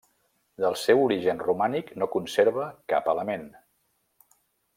Del seu origen romànic no conserva cap element.